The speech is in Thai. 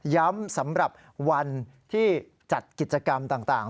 สำหรับวันที่จัดกิจกรรมต่าง